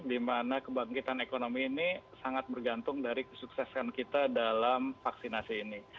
dimana kebangkitan ekonomi ini sangat bergantung dari kesuksesan kita dalam vaksinasi ini